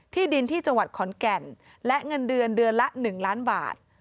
ดินที่จังหวัดขอนแก่นและเงินเดือนเดือนละ๑ล้านบาท